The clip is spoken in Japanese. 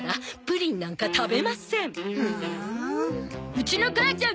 うちの母ちゃん